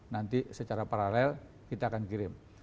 nanti secara paralel kita akan kirim